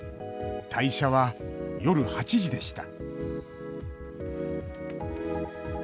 退社は夜８時でした